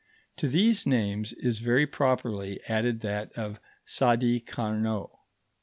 To these names is very properly added that of Sadi Carnot.